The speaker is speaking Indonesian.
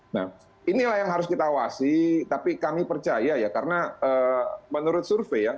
nah inilah yang harus kita awasi tapi kami percaya ya karena menurut survei ya